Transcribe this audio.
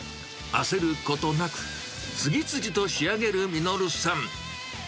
焦ることなく、次々と仕上げる實さん。